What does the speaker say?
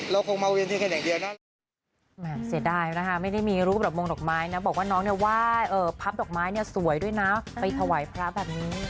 เราคงมาเวียนทีแค่แห่งเดียวนะ